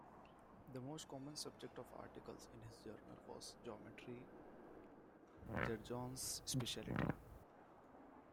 The most common subject of articles in his journal was geometry, Gergonne's specialty.